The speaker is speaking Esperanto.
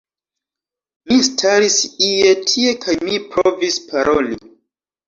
Mi staris ie tie kaj mi provis paroli